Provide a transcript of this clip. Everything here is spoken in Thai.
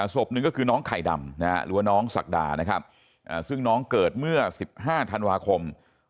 ศพหนึ่งก็คือน้องไข่ดำหรือน้องสักฒาซึ่งน้องเกิดเมื่อ๑๕ธันหวาคม๒๕๕๕